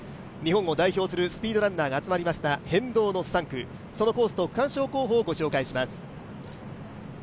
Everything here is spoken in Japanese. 日本を代表するスピードランナーが集まりました変動の３区そのコースと区間賞候補をご紹介します。